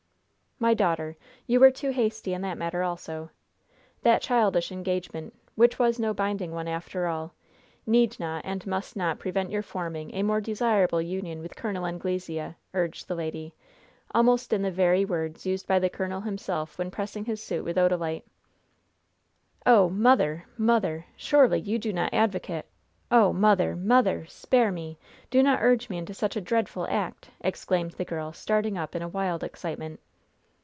"My daughter, you were too hasty in that matter also. That childish engagement which was no binding one, after all need not and must not prevent your forming a more desirable union with Col. Anglesea," urged the lady, almost in the very words used by the colonel himself when pressing his suit with Odalite. "Oh, mother! mother! surely you do not advocate Oh, mother! mother! Spare me! Do not urge me into such a dreadful act!" exclaimed the girl, starting up in a wild excitement.